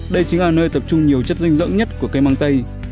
đây chính là nơi tập trung nhiều chất dinh dẫn nhất của cây măng tây